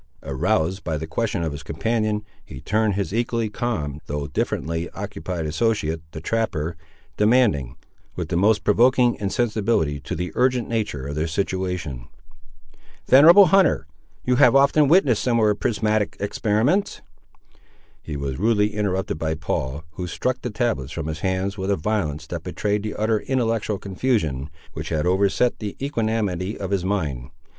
Aroused by the question of his companion, he turned to his equally calm though differently occupied associate, the trapper, demanding, with the most provoking insensibility to the urgent nature of their situation— "Venerable hunter, you have often witnessed similar prismatic experiments—" He was rudely interrupted by Paul, who struck the tablets from his hands, with a violence that betrayed the utter intellectual confusion which had overset the equanimity of his mind.